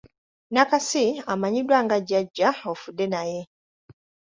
Nakasi amanyiddwa nga Jjajja Ofudenaye.